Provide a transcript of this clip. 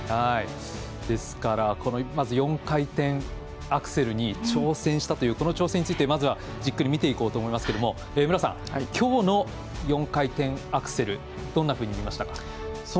ですからまず４回転アクセルに挑戦したというこの挑戦についてじっくり見ていこうと思いますが無良さんきょうの４回転アクセルどんなふうに見ましたか？